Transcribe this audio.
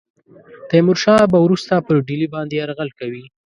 تیمور شاه به وروسته پر ډهلي باندي یرغل کوي.